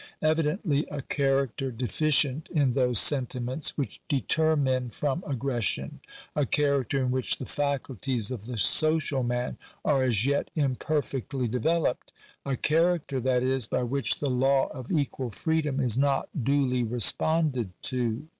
Evidently a character deficient in those sentiments which deter men from aggression — a character in which the faculties of the social man are as yet imperfectly developed — a character, that is, by which the law of equal freedom is not duly responded to.